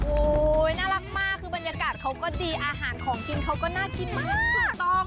โอ้โหน่ารักมากคือบรรยากาศเขาก็ดีอาหารของกินเขาก็น่ากินมากถูกต้อง